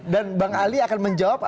dan bang ali akan menjawab